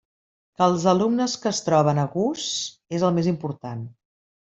Que els alumnes que es troben a gust és el més important.